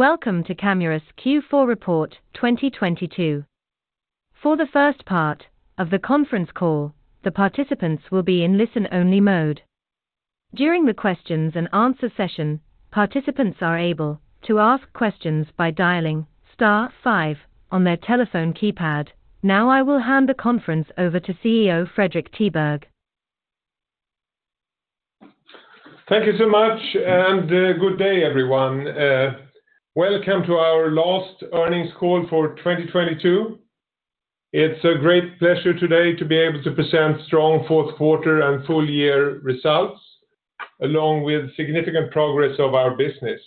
Welcome to Camurus Q4 Report 2022. For the first part of the conference call, the participants will be in listen-only mode. During the questions and answer session, participants are able to ask questions by dialing star five on their telephone keypad. I will hand the conference over to CEO Fredrik Tiberg. Thank you so much. Good day, everyone. Welcome to our last earnings call for 2022. It's a great pleasure today to be able to present strong fourth quarter and full year results along with significant progress of our business.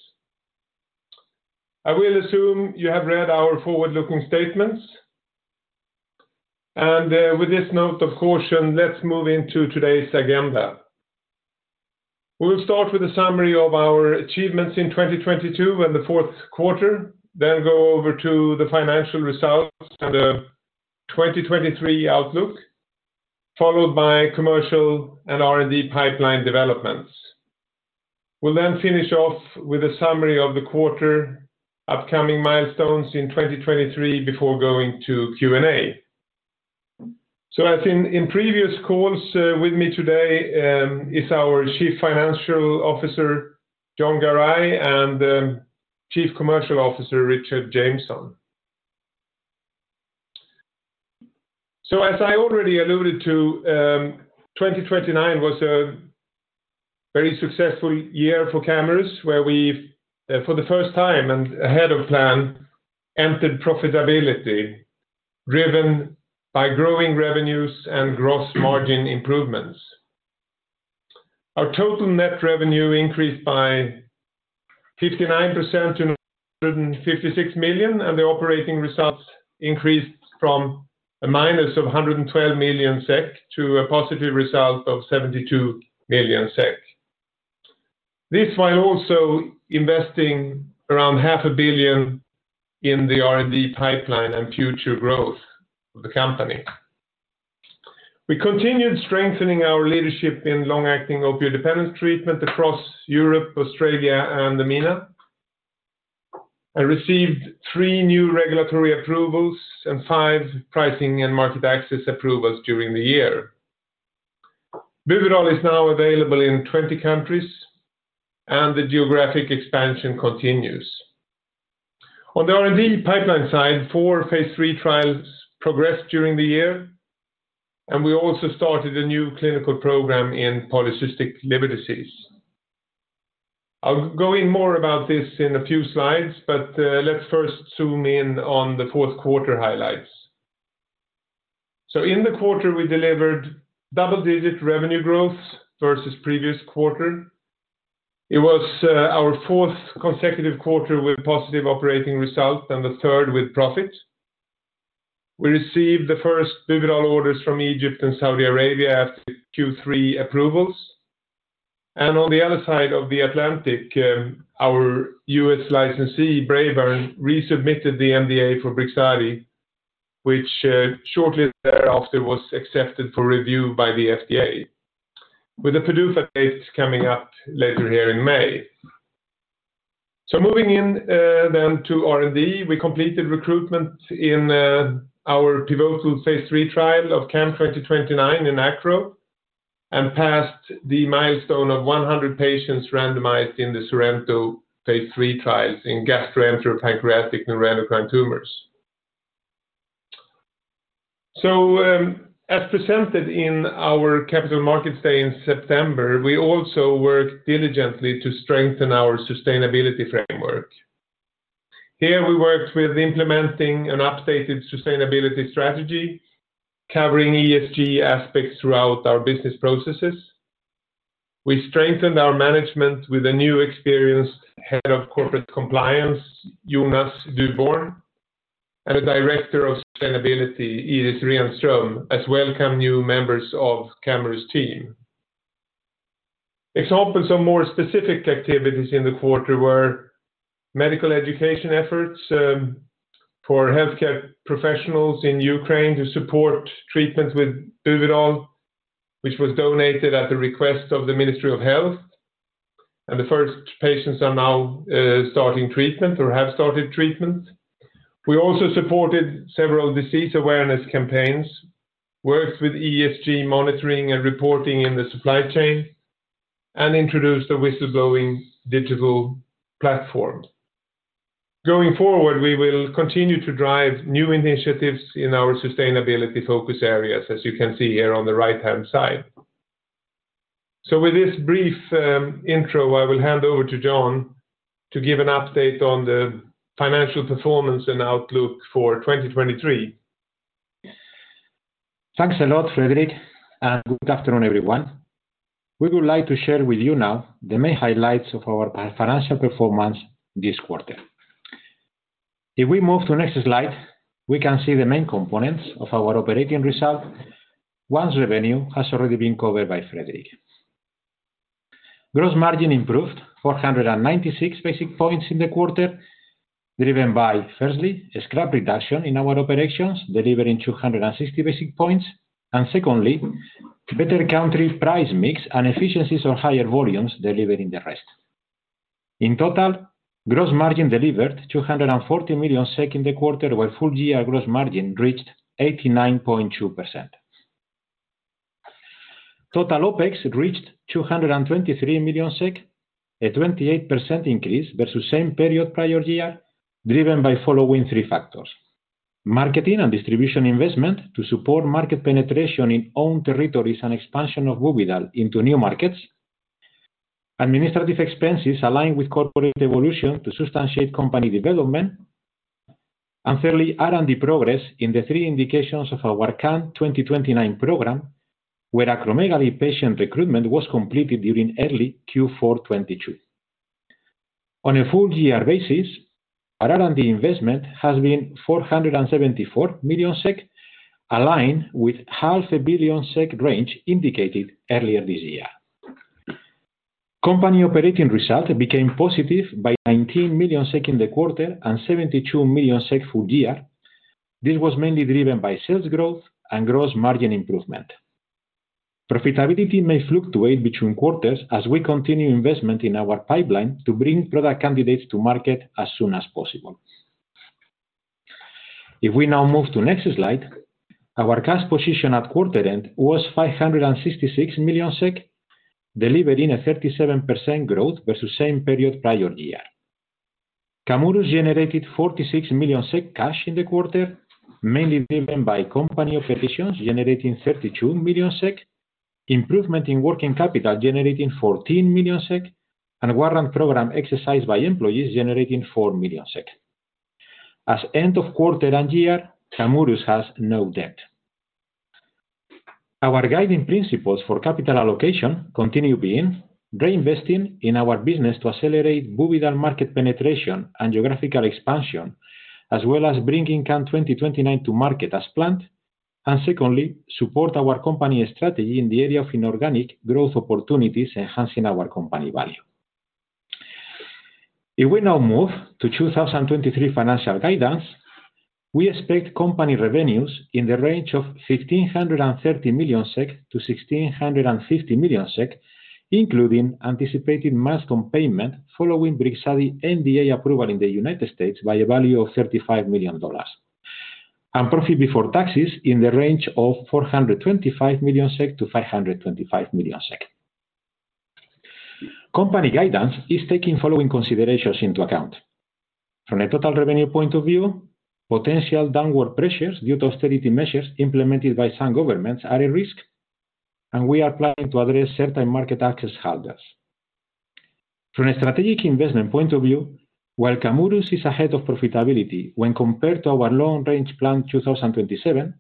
I will assume you have read our forward-looking statements. With this note of caution, let's move into today's agenda. We'll start with a summary of our achievements in 2022 and the fourth quarter, then go over to the financial results and the 2023 outlook, followed by commercial and R&D pipeline developments. We'll then finish off with a summary of the quarter upcoming milestones in 2023 before going to Q&A. As in previous calls, with me today is our Chief Financial Officer, Jon Garay, and Chief Commercial Officer, Richard Jameson. As I already alluded to, 2029 was a very successful year for Camurus, where we've for the first time and ahead of plan, entered profitability driven by growing revenues and gross margin improvements. Our total net revenue increased by 59% to 956 million, and the operating results increased from a -112 million SEK to a positive result of 72 million SEK. This while also investing around 500 million in the R&D pipeline and future growth of the company. We continued strengthening our leadership in long-acting opioid dependence treatment across Europe, Australia, and the MENA, received three new regulatory approvals and five pricing and market access approvals during the year. Buvidal is now available in 20 countries, and the geographic expansion continues. On the R&D pipeline side, four phase III trials progressed during the year, and we also started a new clinical program in polycystic liver disease. I'll go in more about this in a few slides, but, let's first zoom in on the fourth quarter highlights. In the quarter, we delivered double-digit revenue growth versus previous quarter. It was our fourth consecutive quarter with positive operating results and the third with profit. We received the first Buvidal orders from Egypt and Saudi Arabia after Q3 approvals. On the other side of the Atlantic, our U.S. licensee, Braeburn, resubmitted the NDA for Brixadi, which shortly thereafter was accepted for review by the FDA, with the PDUFA dates coming up later here in May. Moving in, then to R&D, we completed recruitment in our pivotal phase III trial of CAM2029 in ACRO and passed the milestone of 100 patients randomized in the SORENTO phase III trials in gastroenteropancreatic neuroendocrine tumors. As presented in our Capital Markets Day in September, we also worked diligently to strengthen our sustainability framework. Here, we worked with implementing an updated sustainability strategy covering ESG aspects throughout our business processes. We strengthened our management with a new experienced Head of Corporate Compliance, Jonas Duborn, and a Director of Sustainability, Iris Rehnström, as welcome new members of Camurus team. Examples of more specific activities in the quarter were medical education efforts for healthcare professionals in Ukraine to support treatment with Buvidal, which was donated at the request of the Ministry of Health, and the first patients are now starting treatment or have started treatment. We also supported several disease awareness campaigns, worked with ESG monitoring and reporting in the supply chain, and introduced a whistleblowing digital platform. Going forward, we will continue to drive new initiatives in our sustainability focus areas, as you can see here on the right-hand side. With this brief intro, I will hand over to Jon to give an update on the financial performance and outlook for 2023. Thanks a lot, Fredrik. Good afternoon, everyone. We would like to share with you now the main highlights of our financial performance this quarter. If we move to the next slide, we can see the main components of our operating results, once revenue has already been covered by Fredrik. Gross margin improved 496 basis points in the quarter, driven by, firstly, a scrap reduction in our operations, delivering 260 basis points. Secondly, better country price mix and efficiencies on higher volumes delivered in the rest. In total, gross margin delivered 240 million SEK in the quarter, where full-year gross margin reached 89.2%. Total OPEX reached 223 million SEK, a 28% increase versus same period prior year, driven by following three factors. Marketing and distribution investment to support market penetration in own territories and expansion of Buvidal into new markets. Administrative expenses aligned with corporate evolution to substantiate company development. Thirdly, R&D progress in the three indications of our CAM2029 program, where acromegaly patient recruitment was completed during early Q4 2023. On a full-year basis, our R&D investment has been 474 million SEK, aligned with 500 million SEK range indicated earlier this year. Company operating result became positive by 19 million SEK in the quarter and 72 million SEK full year. This was mainly driven by sales growth and gross margin improvement. Profitability may fluctuate between quarters as we continue investment in our pipeline to bring product candidates to market as soon as possible. If we now move to next slide, our cash position at quarter end was 566 million SEK, delivering a 37% growth versus same period prior year. Camurus generated 46 million SEK cash in the quarter, mainly driven by company operations generating 32 million SEK, improvement in working capital generating 14 million SEK, and warrant program exercised by employees generating 4 million SEK. As end of quarter and year, Camurus has no debt. Our guiding principles for capital allocation continue being reinvesting in our business to accelerate Buvidal market penetration and geographical expansion, as well as bringing CAM2029 to market as planned. Secondly, support our company strategy in the area of inorganic growth opportunities, enhancing our company value. If we now move to 2023 financial guidance, we expect company revenues in the range of 1,530 million-1,650 million SEK, including anticipated milestone payment following Brixadi NDA approval in the United States by a value of $35 million. Profit before taxes in the range of 425 million-525 million SEK. Company guidance is taking following considerations into account. From a total revenue point of view, potential downward pressures due to austerity measures implemented by some governments are a risk, and we are planning to address certain market access hazards. From a strategic investment point of view, while Camurus is ahead of profitability when compared to our long-range plan 2027,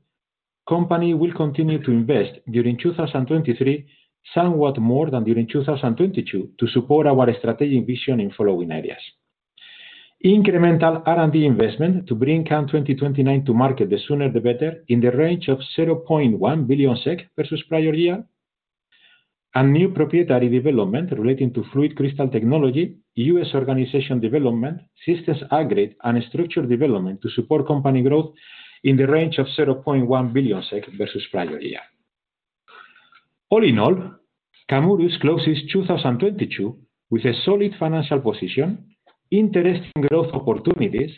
company will continue to invest during 2023 somewhat more than during 2022 to support our strategic vision in following areas. Incremental R&D investment to bring CAM2029 to market, the sooner the better, in the range of 0.1 billion SEK versus prior year. New proprietary development relating to FluidCrystal technology, U.S. organization development, systems upgrade, and structure development to support company growth in the range of 0.1 billion SEK versus prior year. All in all, Camurus closes 2022 with a solid financial position, interesting growth opportunities,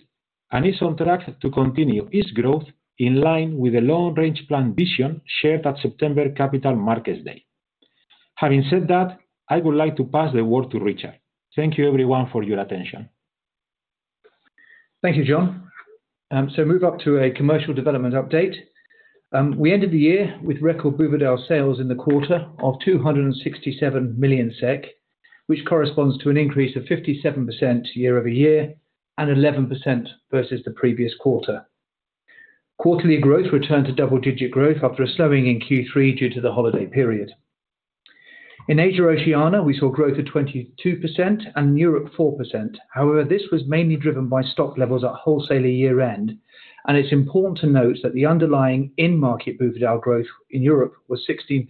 and is on track to continue its growth in line with the long-range plan vision shared at September Capital Markets Day. Having said that, I would like to pass the word to Richard. Thank you everyone for your attention. Thank you, Jon. So move up to a commercial development update. We ended the year with record Buvidal sales in the quarter of 267 million SEK, which corresponds to an increase of 57% year-over-year and 11% versus the previous quarter. Quarterly growth returned to double-digit growth after a slowing in Q3 due to the holiday period. In Asia/Oceania, we saw growth of 22% and Europe 4%. However, this was mainly driven by stock levels at wholesaler year-end. It's important to note that the underlying in-market Buvidal growth in Europe was 16%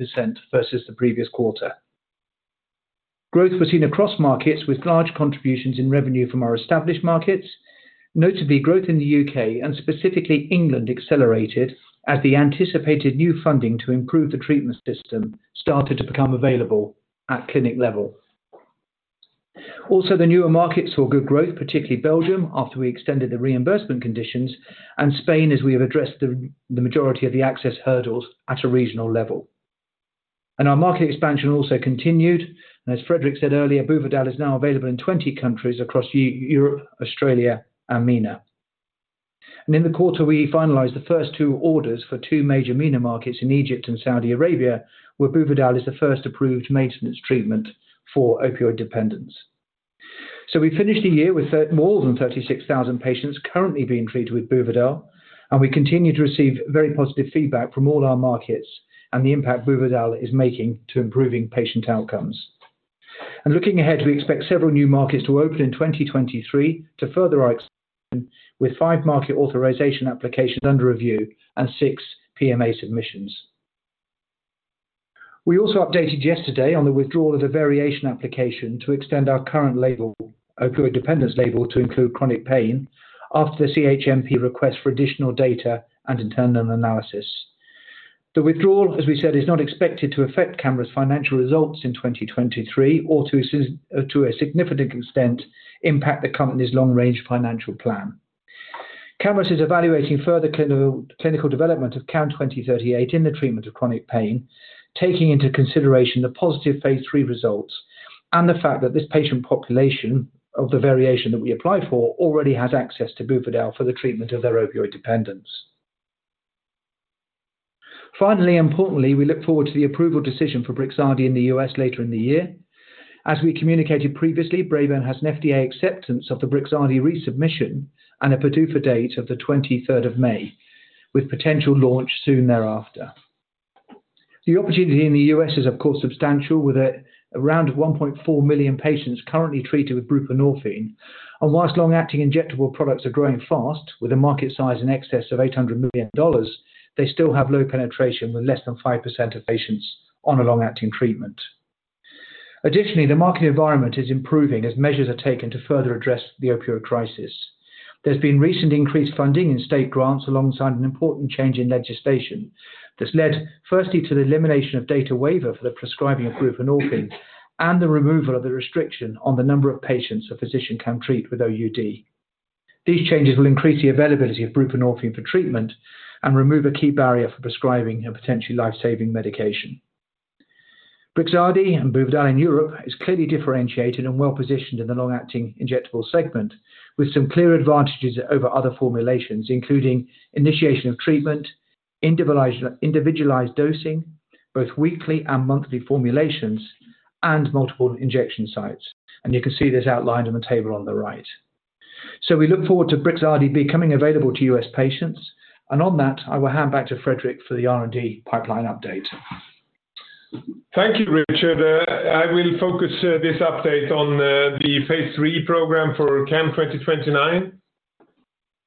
versus the previous quarter. Growth was seen across markets with large contributions in revenue from our established markets. Notably, growth in the U.K. And specifically England accelerated as the anticipated new funding to improve the treatment system started to become available at clinic level. The newer markets saw good growth, particularly Belgium, after we extended the reimbursement conditions, and Spain, as we have addressed the majority of the access hurdles at a regional level. Our market expansion also continued. As Fredrik said earlier, Buvidal is now available in 20 countries across Europe, Australia, and MENA. In the quarter, we finalized the first two orders for two major MENA markets in Egypt and Saudi Arabia, where Buvidal is the first approved maintenance treatment for opioid dependence. We finished the year with more than 36,000 patients currently being treated with Buvidal, and we continue to receive very positive feedback from all our markets and the impact Buvidal is making to improving patient outcomes. Looking ahead, we expect several new markets to open in 2023 to further our expansion with five market authorization applications under review and six PMA submissions. We also updated yesterday on the withdrawal of the variation application to extend our current label, opioid dependence label, to include chronic pain after the CHMP request for additional data and internal analysis. The withdrawal, as we said, is not expected to affect Braeburn's financial results in 2023 or to a significant extent impact the company's long-range financial plan. Braeburn is evaluating further clinical development of CAM2038 in the treatment of chronic pain, taking into consideration the positive phase III results and the fact that this patient population of the variation that we applied for already has access to Buvidal for the treatment of their opioid dependence. Finally, importantly, we look forward to the approval decision for Brixadi in the U.S. later in the year. As we communicated previously, Braeburn has an FDA acceptance of the Brixadi resubmission and a PDUFA date of the 23rd of May, with potential launch soon thereafter. The opportunity in the U.S. is of course substantial, with around 1.4 million patients currently treated with buprenorphine. Whilst long-acting injectable products are growing fast with a market size in excess of $800 million, they still have low penetration with less than 5% of patients on a long-acting treatment. Additionally, the market environment is improving as measures are taken to further address the opioid crisis. There's been recent increased funding in state grants alongside an important change in legislation that's led firstly, to the elimination of DATA waiver for the prescribing of buprenorphine and the removal of the restriction on the number of patients a physician can treat with OUD. These changes will increase the availability of buprenorphine for treatment and remove a key barrier for prescribing a potentially life-saving medication. Brixadi and Buvidal in Europe is clearly differentiated and well-positioned in the long-acting injectable segment with some clear advantages over other formulations, including initiation of treatment, individualized dosing, both weekly and monthly formulations, and multiple injection sites. You can see this outlined in the table on the right. We look forward to Brixadi becoming available to U.S. patients. On that, I will hand back to Fredrik for the R&D pipeline update. Thank you, Richard. I will focus this update on the phase III program for CAM2029,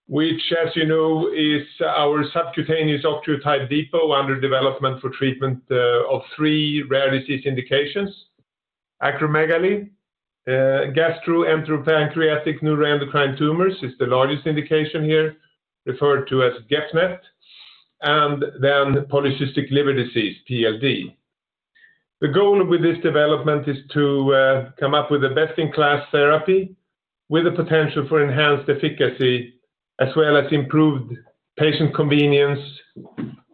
which as you know, is our subcutaneous octreotide depot under development for treatment of three rare disease indications. Acromegaly, gastroenteropancreatic neuroendocrine tumors is the largest indication here referred to as GEP-NET, polycystic liver disease, PLD. The goal with this development is to come up with a best-in-class therapy with the potential for enhanced efficacy as well as improved patient convenience.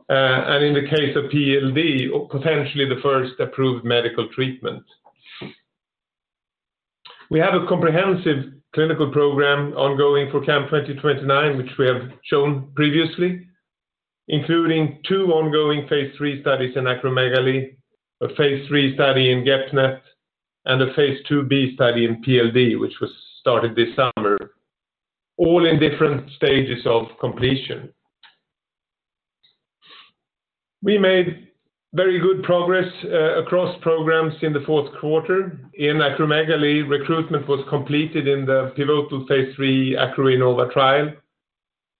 In the case of PLD or potentially the first approved medical treatment. We have a comprehensive clinical program ongoing for CAM2029, which we have shown previously, including two ongoing phase III studies in acromegaly, a phase III study in GEP-NET, and a phase 2B study in PLD, which was started this summer, all in different stages of completion. We made very good progress across programs in the fourth quarter. In acromegaly, recruitment was completed in the pivotal phase III ACROINNOVA trial,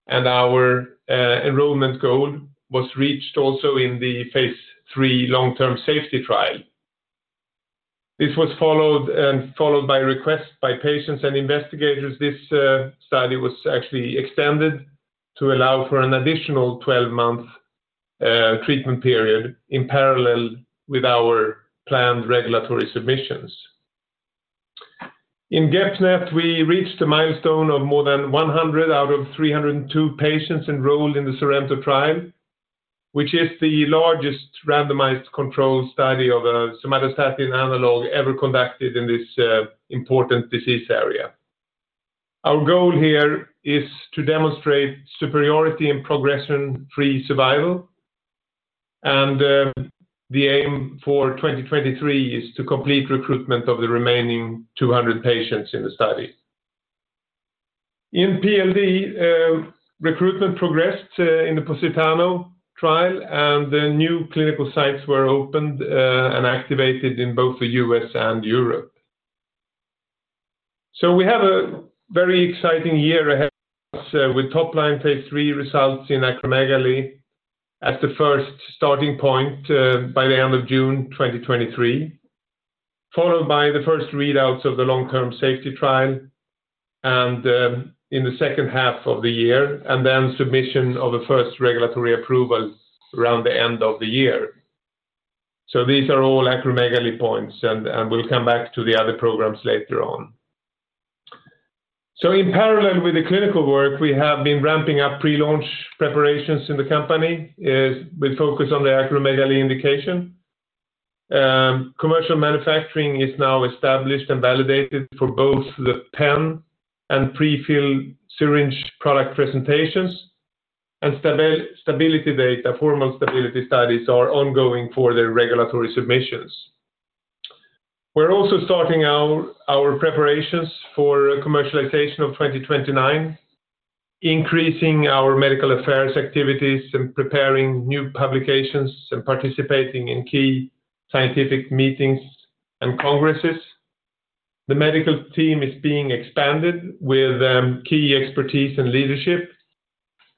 and our enrollment goal was reached also in the phase III long-term safety trial. This was followed by requests by patients and investigators. This study was actually extended to allow for an additional 12-month treatment period in parallel with our planned regulatory submissions. In GEP-NET, we reached a milestone of more than 100 out of 302 patients enrolled in the SORENTO trial, which is the largest randomized controlled study of a somatostatin analog ever conducted in this important disease area. Our goal here is to demonstrate superiority and progression-free survival. The aim for 2023 is to complete recruitment of the remaining 200 patients in the study. In PLD, recruitment progressed in the POSITANO trial, and the new clinical sites were opened and activated in both the U.S. and Europe. We have a very exciting year ahead with top line phase III results in acromegaly at the first starting point by the end of June 2023, followed by the first readouts of the long-term safety trial, and in the second half of the year. Submission of the first regulatory approval around the end of the year. These are all acromegaly points and we'll come back to the other programs later on. In parallel with the clinical work, we have been ramping up pre-launch preparations in the company is with focus on the acromegaly indication. Commercial manufacturing is now established and validated for both the pen and prefill syringe product presentations. Stability data, formal stability studies are ongoing for the regulatory submissions. We're also starting our preparations for commercialization of 2029, increasing our medical affairs activities, and preparing new publications, and participating in key scientific meetings and congresses. The medical team is being expanded with key expertise and leadership.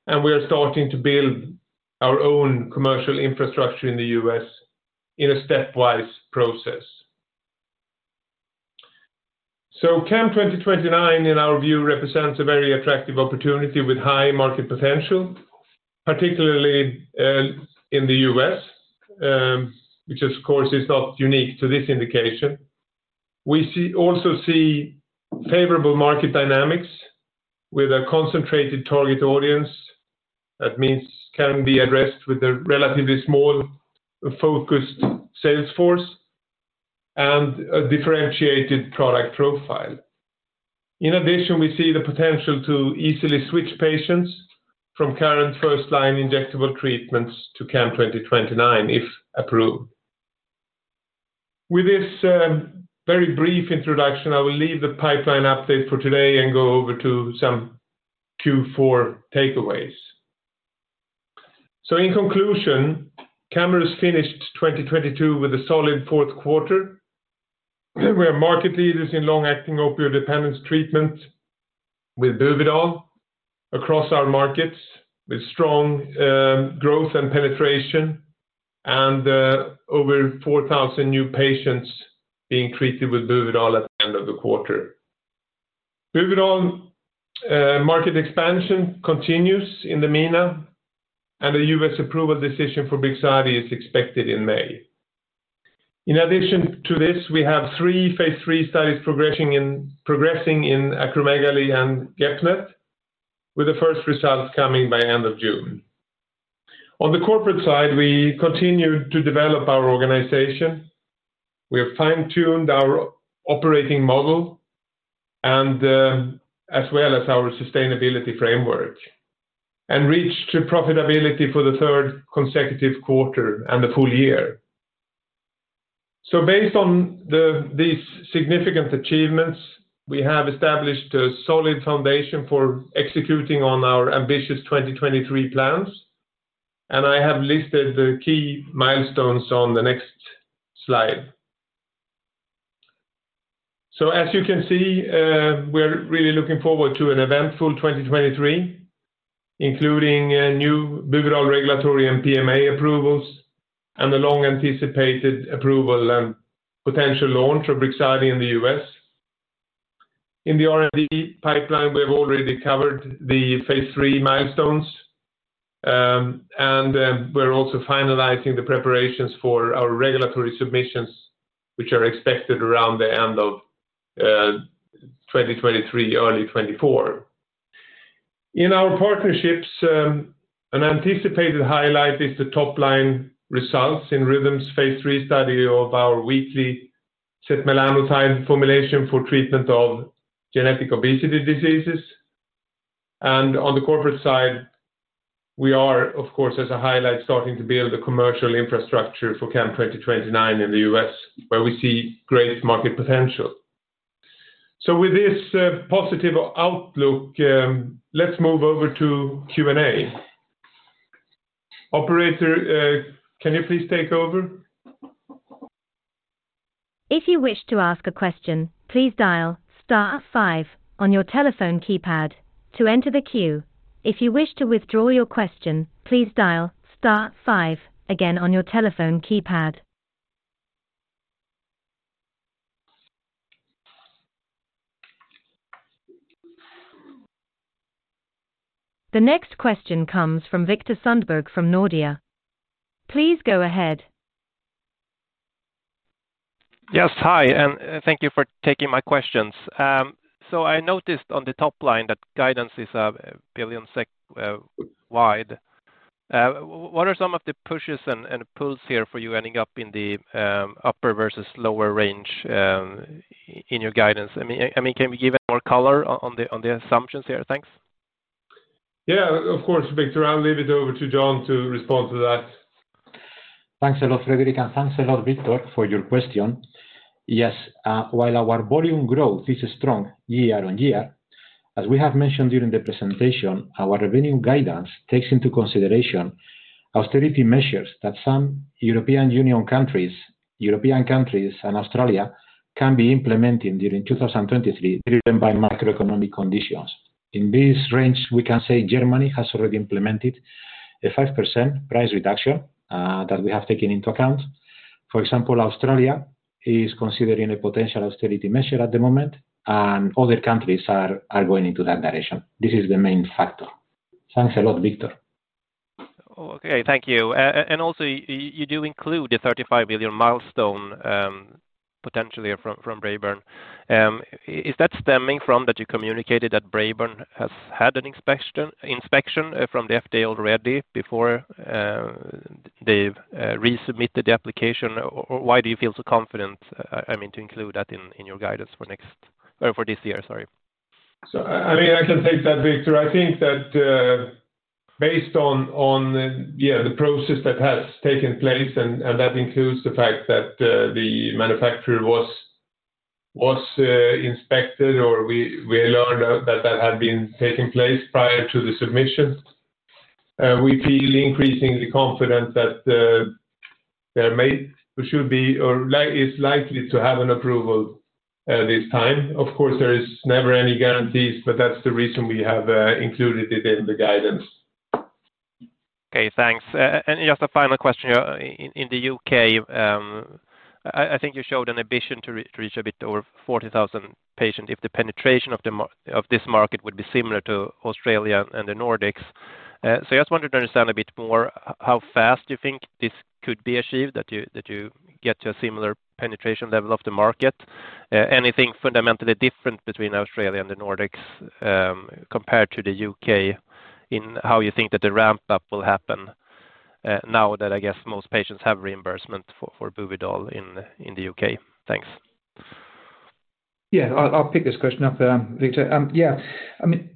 We are starting to build our own commercial infrastructure in the U.S. in a stepwise process. CAM2029, in our view, represents a very attractive opportunity with high market potential, particularly in the U.S., which of course is not unique to this indication. We also see favorable market dynamics with a concentrated target audience. That means can be addressed with a relatively small focused sales force and a differentiated product profile. In addition, we see the potential to easily switch patients from current first-line injectable treatments to CAM2029, if approved. With this very brief introduction, I will leave the pipeline update for today and go over to some Q4 takeaways. In conclusion, Braeburn has finished 2022 with a solid fourth quarter. We are market leaders in long-acting opioid dependence treatment with Buvidal across our markets, with strong growth and penetration, and over 4,000 new patients being treated with Buvidal at the end of the quarter. Buvidal market expansion continues in the MENA, and the U.S. approval decision for Brixadi is expected in May. In addition to this, we have three phase III studies progressing in acromegaly and GHD, with the first results coming by end of June. On the corporate side, we continue to develop our organization. We have fine-tuned our operating model and as well as our sustainability framework, and reached to profitability for the third consecutive quarter and the full year. Based on these significant achievements, we have established a solid foundation for executing on our ambitious 2023 plans, and I have listed the key milestones on the next slide. As you can see, we're really looking forward to an eventful 2023, including new Buvidal regulatory and PMA approvals and the long-anticipated approval and potential launch of Brixadi in the U.S. In the R&D pipeline, we have already covered the phase III milestones, and we're also finalizing the preparations for our regulatory submissions, which are expected around the end of 2023, early 2024. In our partnerships, an anticipated highlight is the top-line results in Rhythm's phase three study of our weekly setmelanotide formulation for treatment of genetic obesity diseases. On the corporate side, we are, of course, as a highlight, starting to build the commercial infrastructure for CAM2029 in the U.S., where we see great market potential. With this positive outlook, let's move over to Q&A. Operator, can you please take over? If you wish to ask a question, please dial star five on your telephone keypad to enter the queue. If you wish to withdraw your question, please dial star five again on your telephone keypad. The next question comes from Viktor Sundberg from Nordea. Please go ahead. Yes. Hi, thank you for taking my questions. I noticed on the top line that guidance is 1 billion SEK wide. What are some of the pushes and pulls here for you ending up in the upper versus lower range in your guidance? I mean, can we give more color on the assumptions here? Thanks. Yeah, of course, Viktor. I'll leave it over to Jon to respond to that. Thanks a lot, Fredrik, thanks a lot, Viktor, for your question. Yes, while our volume growth is strong year-on-year, as we have mentioned during the presentation, our revenue guidance takes into consideration austerity measures that some European Union countries, European countries, and Australia can be implementing during 2023, driven by macroeconomic conditions. In this range, we can say Germany has already implemented a 5% price reduction that we have taken into account. For example, Australia is considering a potential austerity measure at the moment, and other countries are going into that direction. This is the main factor. Thanks a lot, Viktor. Okay. Thank you. Also, you do include a $35 million milestone, potentially from Braeburn. Is that stemming from that you communicated that Braeburn has had an inspection from the FDA already before they've resubmitted the application? Why do you feel so confident, I mean, to include that in your guidance for next or for this year, sorry? I mean, I can take that, Viktor. I think that, based on the process that has taken place, and that includes the fact that the manufacturer was inspected, or we learned that that had been taking place prior to the submission. We feel increasingly confident that it's likely to have an approval at this time. Of course, there is never any guarantees, but that's the reason we have included it in the guidance. Okay, thanks. Just a final question. In the U.K., I think you showed an ambition to reach a bit over 40,000 patient if the penetration of this market would be similar to Australia and the Nordics. I just wanted to understand a bit more how fast you think this could be achieved, that you get to a similar penetration level of the market. Anything fundamentally different between Australia and the Nordics, compared to the U.K. in how you think that the ramp-up will happen, now that I guess most patients have reimbursement for Buvidal in the U.K.? Thanks. I'll pick this question up, Viktor. I mean,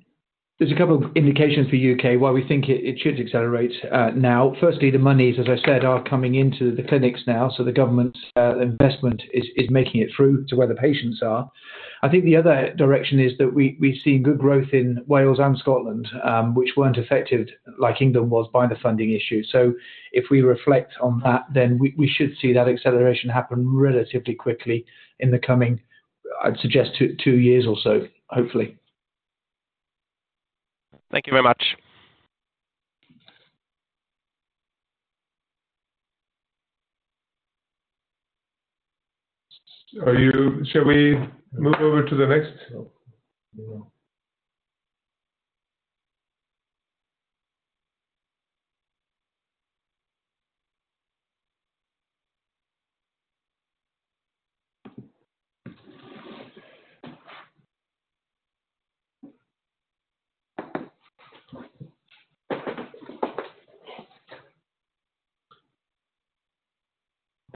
there's a couple of indications for U.K. why we think it should accelerate now. Firstly, the monies, as I said, are coming into the clinics now, so the government's investment is making it through to where the patients are. I think the other direction is that we've seen good growth in Wales and Scotland, which weren't affected like England was by the funding issue. If we reflect on that, then we should see that acceleration happen relatively quickly in the coming, I'd suggest two years or so, hopefully. Thank you very much. Shall we move over to the next?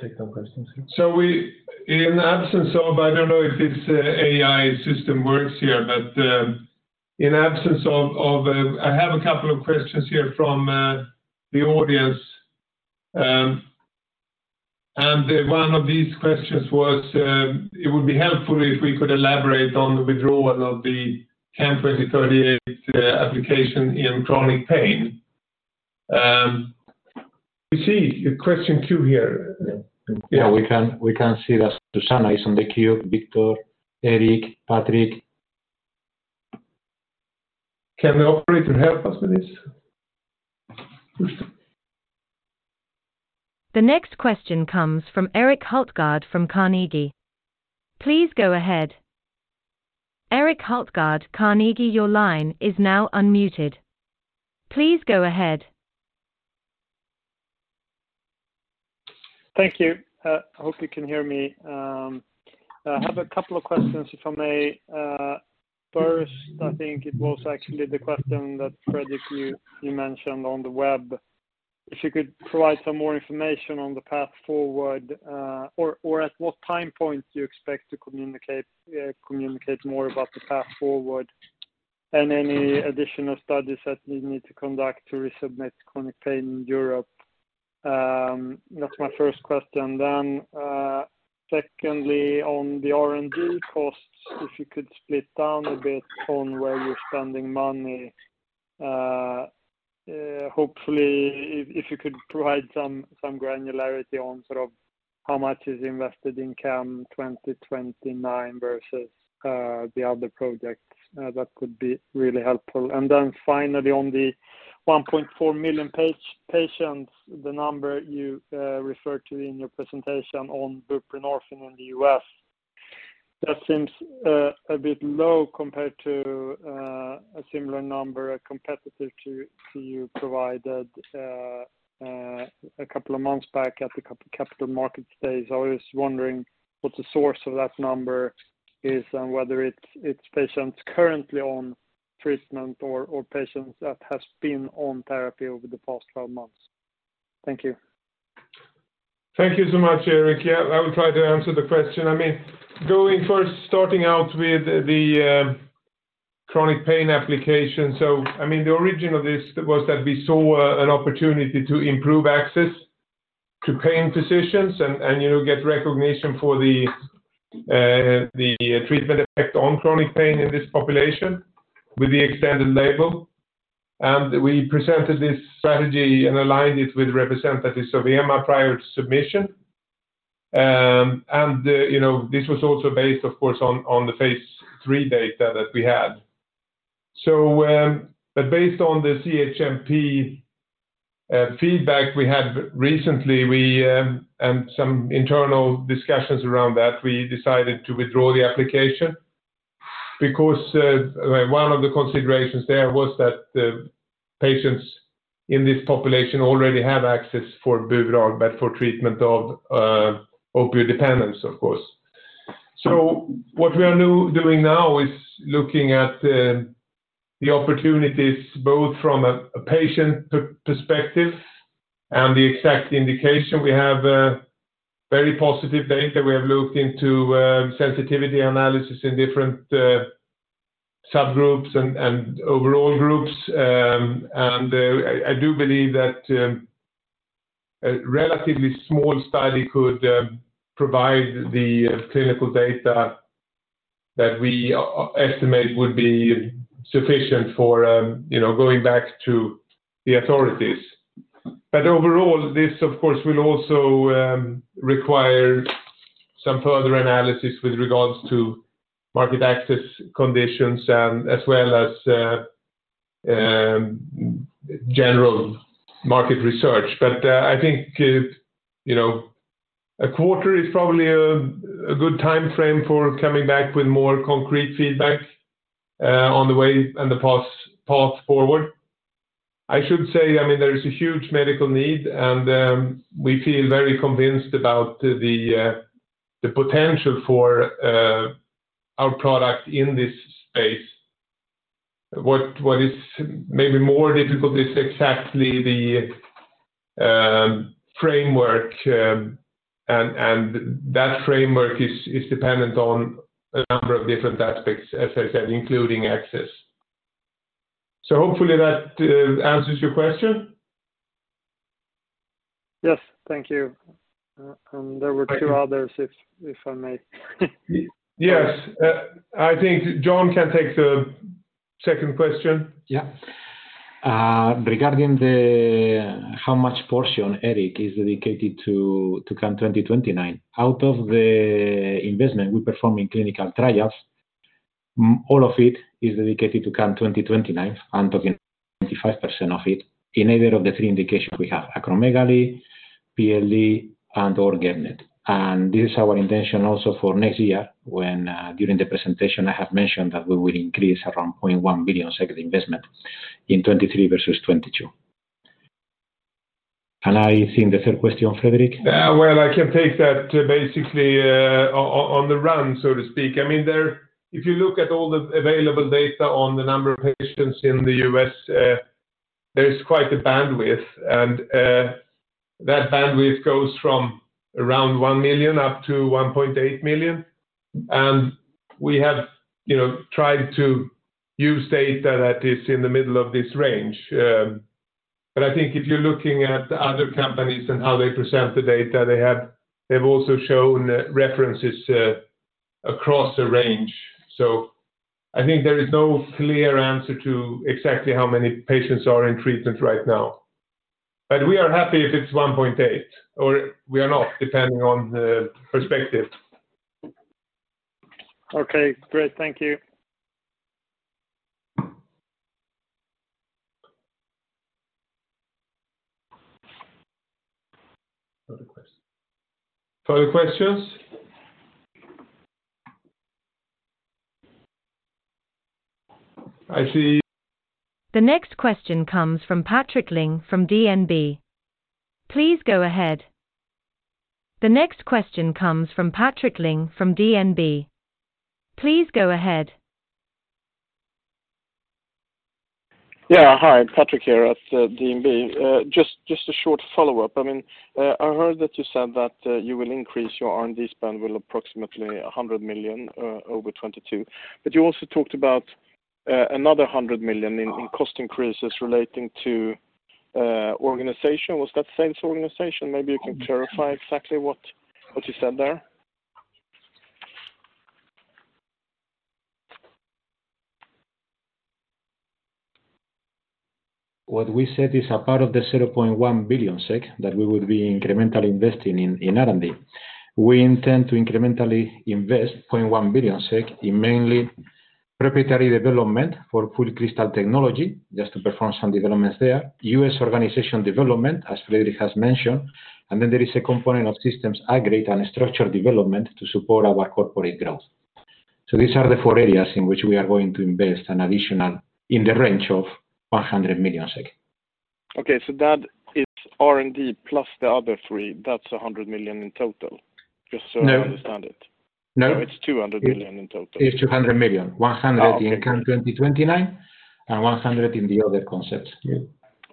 Take some questions here. In absence of, I don't know if this AI system works here, but I have a couple of questions here from the audience. One of these questions was, it would be helpful if we could elaborate on the withdrawal of the CAM2038 application in chronic pain. You see question queue here. Yeah. We can see that Suzanna is on the queue. Viktor, Erik, Patrik. Can the operator help us with this? The next question comes from Erik Hultgård from Carnegie. Please go ahead. Erik Hultgård, Carnegie, your line is now unmuted. Please go ahead. Thank you. I hope you can hear me. I have a couple of questions, if I may. First, I think it was actually the question that Fredrik, you mentioned on the web. If you could provide some more information on the path forward, or at what time point do you expect to communicate more about the path forward and any additional studies that you need to conduct to resubmit chronic pain in Europe? That's my first question. Secondly, on the R&D costs, if you could split down a bit on where you're spending money, hopefully if you could provide some granularity on sort of how much is invested in CAM2029 versus the other projects, that could be really helpful. Finally, on the 1.4 million patients, the number you referred to in your presentation on buprenorphine in the U.S. That seems a bit low compared to a similar number, a competitor to you provided a couple of months back at the capital markets day. I was wondering what the source of that number is and whether it's patients currently on treatment or patients that has been on therapy over the past 12 months. Thank you. Thank you so much, Erik. I will try to answer the question. I mean, going first, starting out with the chronic pain application. I mean, the origin of this was that we saw an opportunity to improve access to pain physicians and, you know, get recognition for the treatment effect on chronic pain in this population with the extended label. We presented this strategy and aligned it with representatives of EMA prior to submission. You know, this was also based, of course, on the phase III data that we had. Based on the CHMP feedback we had recently, we and some internal discussions around that, we decided to withdraw the application. One of the considerations there was that the patients in this population already have access for Buvidal, but for treatment of opioid dependence, of course. What we are doing now is looking at the opportunities both from a patient perspective and the exact indication. We have very positive data. We have looked into sensitivity analysis in different subgroups and overall groups. I do believe that a relatively small study could provide the clinical data that we estimate would be sufficient for, you know, going back to the authorities. Overall, this of course, will also require some further analysis with regards to market access conditions and as well as general market research. I think, you know, a quarter is probably a good time frame for coming back with more concrete feedback on the way and the path forward. I should say, I mean, there is a huge medical need and we feel very convinced about the potential for our product in this space. What is maybe more difficult is exactly the framework. And that framework is dependent on a number of different aspects, as I said, including access. Hopefully that answers your question. Yes. Thank you. There were two others if I may. Yes. I think Jon can take the second question. Regarding the how much portion, Erik, is dedicated to CAM2029. Out of the investment we perform in clinical trials, all of it is dedicated to CAM2029 and talking 25% of it in either of the three indications we have, acromegaly, PLD and/or GEP-NET. This is our intention also for next year when, during the presentation, I have mentioned that we will increase around 0.1 billion investment in 2023 versus 2022. I think the third question, Fredrik. Yeah. Well, I can take that basically on the run, so to speak. I mean, if you look at all the available data on the number of patients in the U.S., there is quite a bandwidth and that bandwidth goes from around 1 million up to 1.8 million. We have, you know, tried to use data that is in the middle of this range, but I think if you're looking at other companies and how they present the data they have, they've also shown references across the range. I think there is no clear answer to exactly how many patients are in treatment right now. We are happy if it's 1.8 million or we are not, depending on the perspective. Okay, great. Thank you. Further questions? I see. The next question comes from Patrik Ling from DNB. Please go ahead. Yeah. Hi, Patrik here at DNB. Just a short follow-up. I mean, I heard that you said that you will increase your R&D spend with approximately 100 million over 2022. You also talked about another 100 million in cost increases relating to organization. Was that sales organization? Maybe you can clarify exactly what you said there. What we said is a part of the 0.1 billion SEK that we would be incrementally investing in R&D. We intend to incrementally invest 0.1 billion SEK in mainly proprietary development for FluidCrystal technology just to perform some developments there. U.S. organization development, as Fredrik has mentioned. There is a component of systems aggregate and structure development to support our corporate growth. These are the four areas in which we are going to invest an additional in the range of 100 million. Okay. That is R&D plus the other three. That's 100 million in total. No. I understand it. No. It's 200 million in total. It's 200 million. Oh, okay. Got it. 100 in CAM2029 and 100 in the other concepts. Yeah.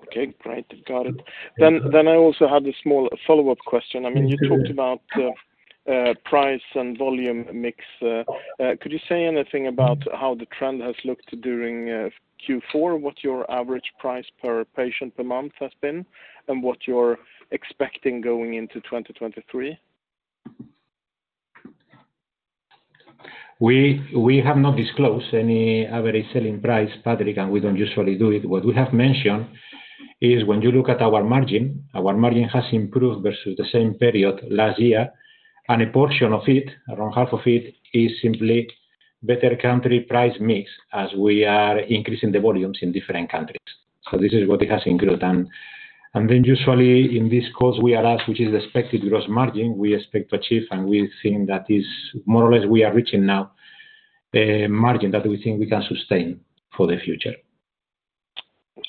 Okay. Great. Got it. Yeah. I also had a small follow-up question. Mm-hmm. I mean, you talked about price and volume mix. Could you say anything about how the trend has looked during Q4? What your average price per patient per month has been, and what you're expecting going into 2023? We have not disclosed any average selling price, Patrik, we don't usually do it. What we have mentioned is when you look at our margin, our margin has improved versus the same period last year. A portion of it, around half of it, is simply better country price mix as we are increasing the volumes in different countries. This is what it has improved. Then usually in this course, we are asked which is expected gross margin we expect to achieve. We think that is more or less we are reaching now a margin that we think we can sustain for the future.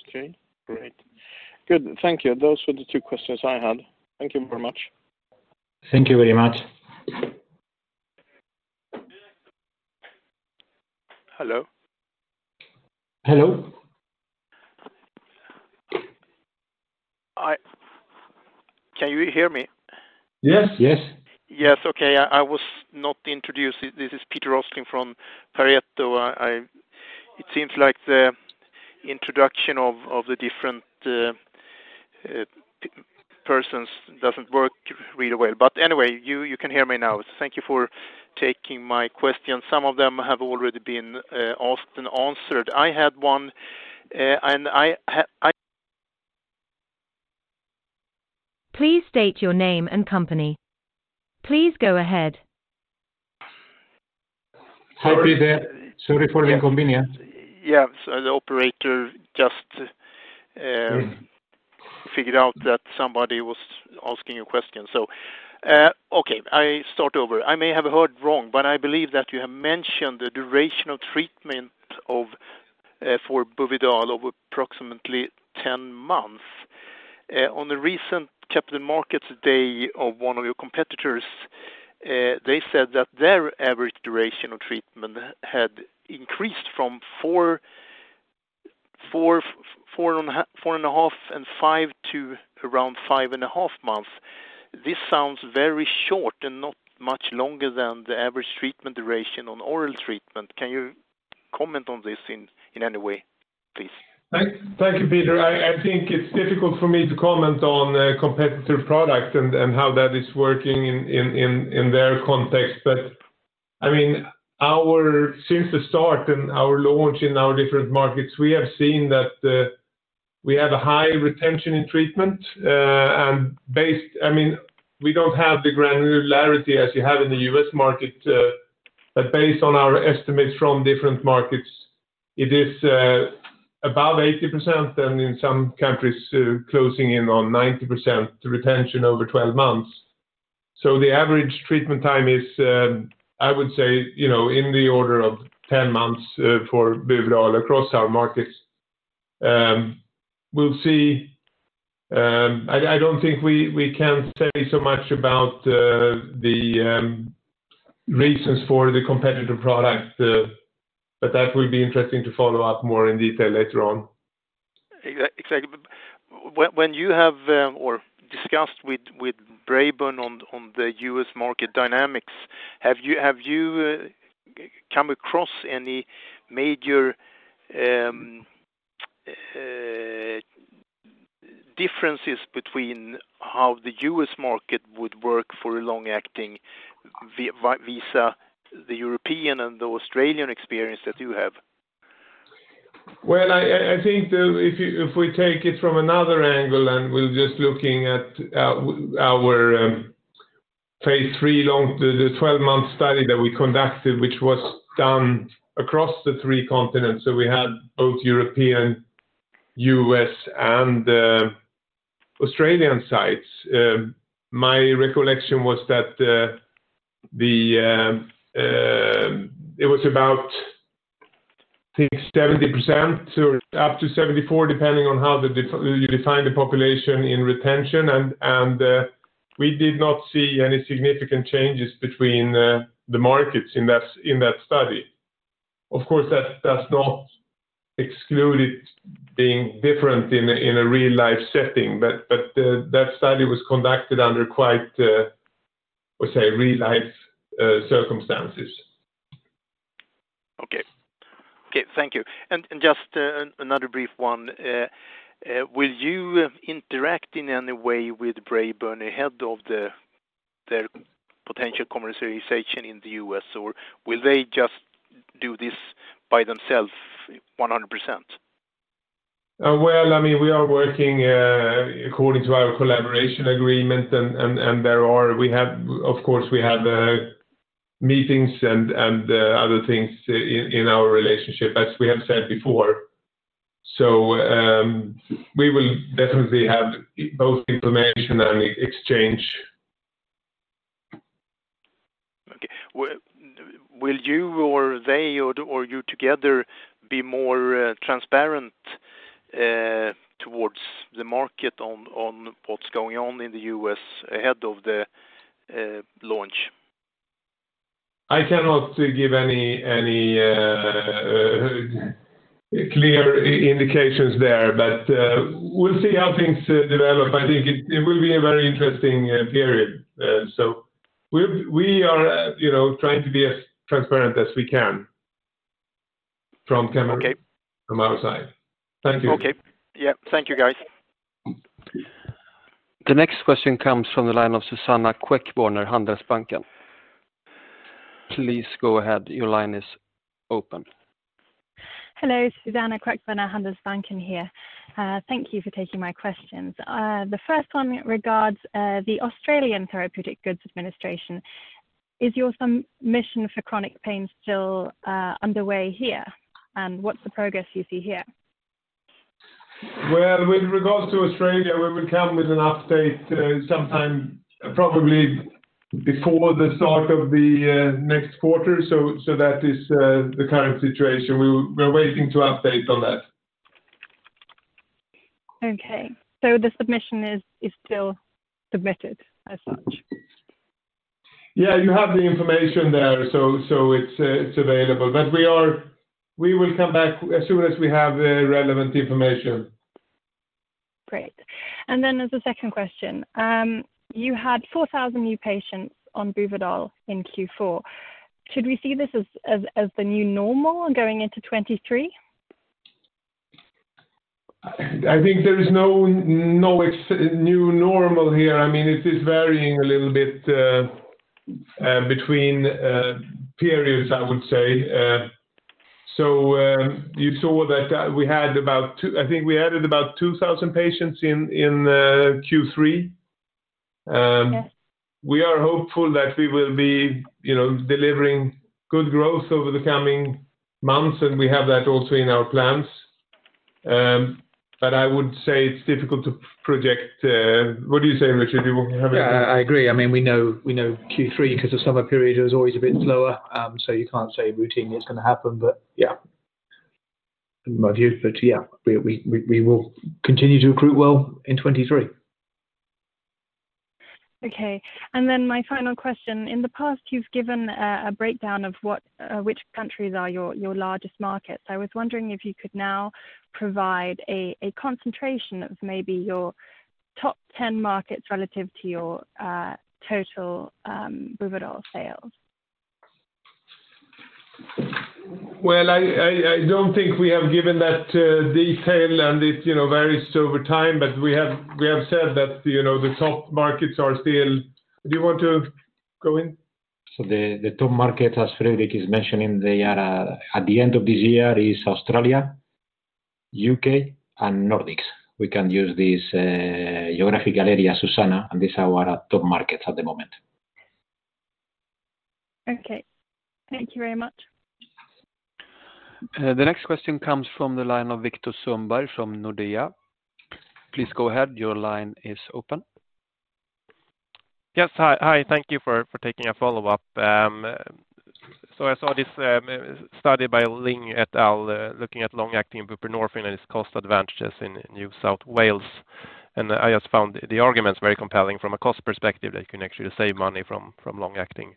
Okay. Great. Good. Thank you. Those were the two questions I had. Thank you very much. Thank you very much. The next- Hello? Hello. Can you hear me? Yes. Yes. Yes. Okay. I was not introduced. This is Peter Rosling from Pareto. It seems like the introduction of the different persons doesn't work really well. Anyway, you can hear me now. Thank you for taking my question. Some of them have already been asked and answered. I had one. I Please state your name and company. Please go ahead. Hi, Peter. Sorry for the inconvenience. Yeah. The operator just. Mm-hmm figured out that somebody was asking you a question. Okay, I start over. I may have heard wrong, but I believe that you have mentioned the duration of treatment for Buvidal of approximately 10 months. On the recent Capital Markets day of one of your competitors, they said that their average duration of treatment had increased from four and a half and five to around five and a half months. This sounds very short and not much longer than the average treatment duration on oral treatment. Can you comment on this in any way, please? Thank you, Peter. I think it's difficult for me to comment on a competitor product and how that is working in their context. I mean, our since the start and our launch in our different markets, we have seen that we have a high retention in treatment. I mean, we don't have the granularity as you have in the U.S. market. Based on our estimates from different markets, it is about 80% and in some countries, closing in on 90% retention over 12 months. The average treatment time is, I would say, you know, in the order of 10 months for Buvidal across our markets. We'll see. I don't think we can say so much about the reasons for the competitor product, but that will be interesting to follow up more in detail later on. Exactly. When you have, or discussed with Braeburn on the U.S. market dynamics, have you come across any major differences between how the U.S. market would work for a long-acting visa, the European and the Australian experience that you have? Well, I think if we take it from another angle, we're just looking at our phase III 12-month study that we conducted, which was done across the three continents. We had both European, U.S. and Australian sites. My recollection was that it was about think %70%, so up to 74, depending on how you define the population in retention. We did not see any significant changes between the markets in that study. Of course, that's not excluded being different in a real-life setting, but that study was conducted under quite, let's say, real-life circumstances. Okay. Okay. Thank you. Just another brief one. Will you interact in any way with Braeburn ahead of their potential commercialization in the U.S., or will they just do this by themselves 100%? Well, I mean, we are working according to our collaboration agreement. We have, of course, we have meetings and other things in our relationship, as we have said before. We will definitely have both information and exchange. Okay. Will you or they or you together be more transparent towards the market on what's going on in the U.S. ahead of the launch? I cannot give any clear indications there, but we'll see how things develop. I think it will be a very interesting period. We've, we are, you know, trying to be as transparent as we can from Camurus. Okay. From our side. Thank you. Okay. Yeah. Thank you, guys. The next question comes from the line of Suzanna Queckbörner, Handelsbanken. Please go ahead. Your line is open. Hello, Suzanna Queckbörner, Handelsbanken here. Thank you for taking my questions. The first one regards the Australian Therapeutic Goods Administration. Is your submission for chronic pain still underway here? What's the progress you see here? Well, with regards to Australia, we will come with an update, sometime probably before the start of the next quarter. That is the current situation. We're waiting to update on that. Okay. The submission is still submitted as such? Yeah. You have the information there, so it's available. We will come back as soon as we have relevant information. Great. As a second question. You had 4,000 new patients on Buvidal in Q4. Should we see this as the new normal going into 2023? I think there is no new normal here. I mean, it is varying a little bit between periods, I would say. You saw that I think we added about 2,000 patients in Q3. Yes. We are hopeful that we will be, you know, delivering good growth over the coming months, and we have that also in our plans. I would say it's difficult to project. What do you say, Richard? Do you want to have Yeah. I agree. I mean, we know Q3, 'cause the summer period is always a bit slower, you can't say routinely it's gonna happen. Yeah. In my view, yeah. We will continue to recruit well in 2023. Okay. Then my final question. In the past, you've given a breakdown of what which countries are your largest markets. I was wondering if you could now provide a concentration of maybe your top 10 markets relative to your total Buvidal sales. Well, I don't think we have given that detail and it, you know, varies over time. We have said that, you know, the top markets are still... Do you want to go in? The top market, as Fredrik is mentioning, they are at the end of this year is Australia, U.K., and Nordics. We can use these geographical areas, Suzanna, and these are our top markets at the moment. Okay. Thank you very much. The next question comes from the line of Viktor Sundberg from Nordea. Please go ahead, your line is open. Yes. Hi. Hi. Thank you for taking a follow-up. I saw this study by Ling et al. looking at long-acting buprenorphine and its cost advantages in New South Wales. I just found the arguments very compelling from a cost perspective that you can actually save money from long-acting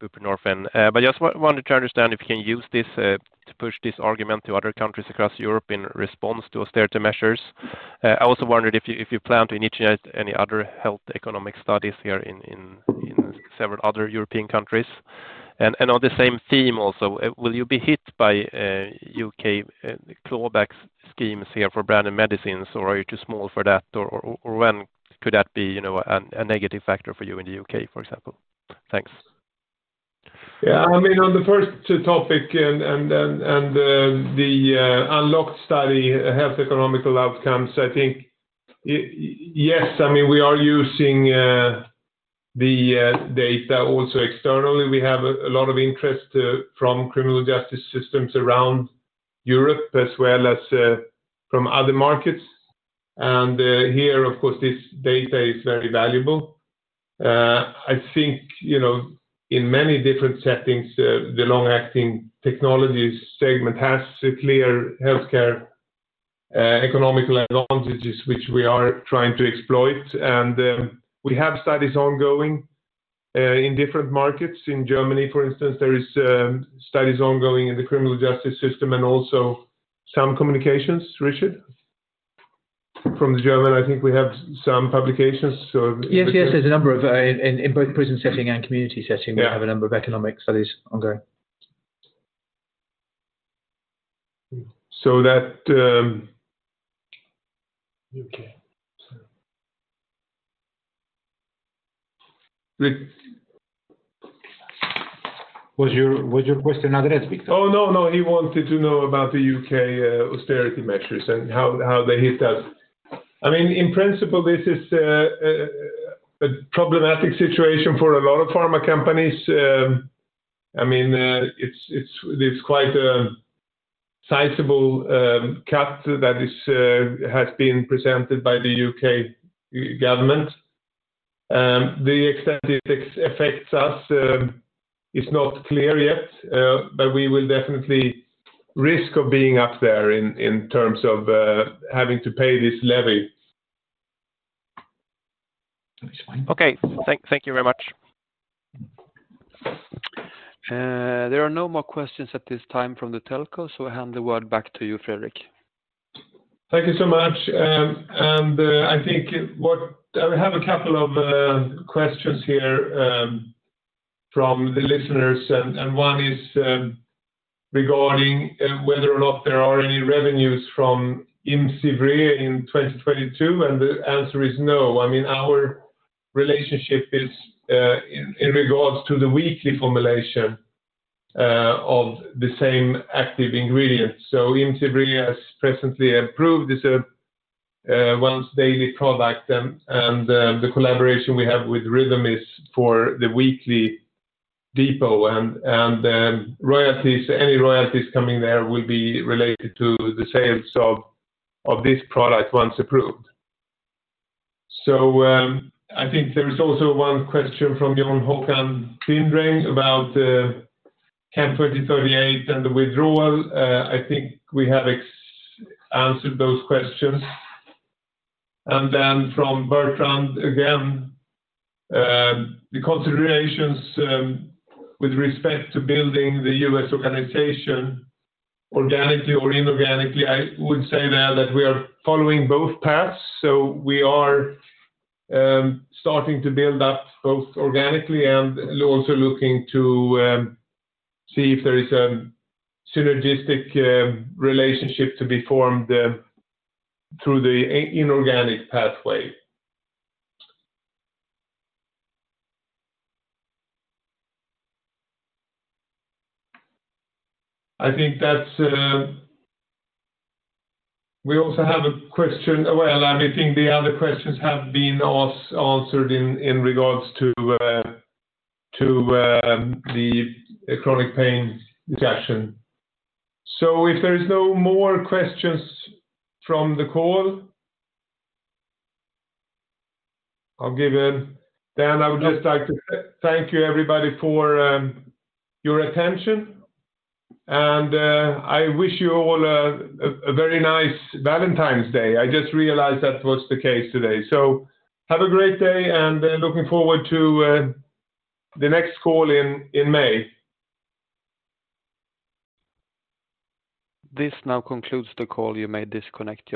buprenorphine. Just wanted to understand if you can use this to push this argument to other countries across Europe in response to austerity measures. I also wondered if you plan to initiate any other health economic studies here in several other European countries. On the same theme also, will you be hit by U.K. clawback schemes here for branded medicines, or are you too small for that? When could that be, you know, a negative factor for you in the U.K., for example? Thanks. Yeah. I mean, on the first topic, the UNLOCK study health economic outcomes, I think yes. I mean, we are using the data also externally. We have a lot of interest from criminal justice systems around Europe, as well as from other markets. Here, of course, this data is very valuable. I think, you know, in many different settings, the long-acting technologies segment has clear healthcare economic advantages which we are trying to exploit. We have studies ongoing in different markets. In Germany, for instance, there is studies ongoing in the criminal justice system and also some communications. Richard? From the German, I think we have some publications. Yes. Yes. There's a number of, in both prison setting and community setting. Yeah... we have a number of economic studies ongoing. that U.K. The- Was your question addressed, Viktor? No, no. He wanted to know about the U.K. austerity measures and how they hit us. I mean, in principle, this is a problematic situation for a lot of pharma companies. I mean, it's quite a sizable cut that has been presented by the U.K. government. The extent it affects us is not clear yet, but we will definitely risk of being up there in terms of having to pay this levy. That's fine. Okay. Thank you very much. There are no more questions at this time from the telco, so I hand the word back to you, Fredrik. Thank you so much. We have a couple of questions here from the listeners and one is regarding whether or not there are any revenues from IMCIVREE in 2022, and the answer is no. I mean, our relationship is in regards to the weekly formulation of the same active ingredient. IMCIVREE is presently approved. It's a once-daily product. The collaboration we have with Rhythm is for the weekly depot. Royalties, any royalties coming there will be related to the sales of this product once approved. I think there is also one question from Jon Håkan Lindroth about CAM2038 and the withdrawal. I think we have answered those questions. From Bertrand again, the considerations with respect to building the U.S. organization organically or inorganically. I would say now that we are following both paths, so we are starting to build up both organically and also looking to see if there is a synergistic relationship to be formed through the inorganic pathway. I think that's. We also have a question. Well, I think the other questions have been answered in regards to the chronic pain indication. If there is no more questions from the call, I'll give in. I would just like to thank you everybody for your attention. I wish you all a very nice Valentine's Day. I just realized that was the case today. Have a great day, and looking forward to, the next call in May. This now concludes the call. You may disconnect your line.